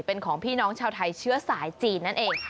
เป็นของพี่น้องชาวไทยเชื้อสายจีนนั่นเอง